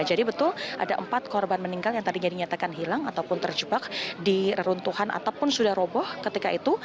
betul ada empat korban meninggal yang tadinya dinyatakan hilang ataupun terjebak di reruntuhan ataupun sudah roboh ketika itu